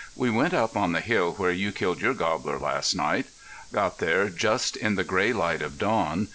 "We went up on the hill where you killed your gobbler last night. Got there just in the gray light of dawn.